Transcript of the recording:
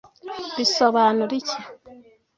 bisobanura iki